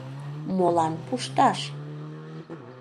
Молан пушташ?